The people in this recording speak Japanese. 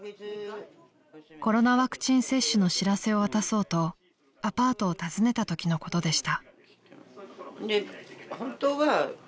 ［コロナワクチン接種の知らせを渡そうとアパートを訪ねたときのことでした］